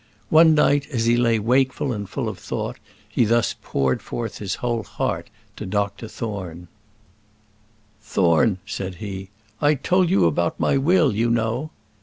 One night, as he lay wakeful and full of thought, he thus poured forth his whole heart to Dr Thorne. "Thorne," said he, "I told you about my will, you know."